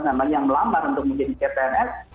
namanya yang melamar untuk menjadi cpns